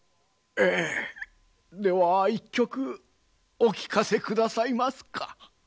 えっでは１曲お聴かせくださいますか。